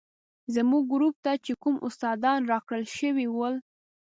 زموږ ګروپ ته چې کوم استادان راکړل شوي ول.